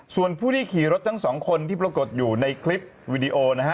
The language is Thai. ส่วนผู้ที่ขี่รถทั้งสองคนที่ปรากฏอยู่ในคลิปวิดีโอนะฮะ